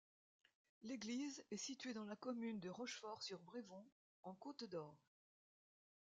L'église est située dans la commune de Rochefort-sur-Brévon en Côte-d'Or.